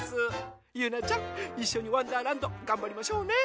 ゆうなちゃんいっしょに「わんだーらんど」がんばりましょうね！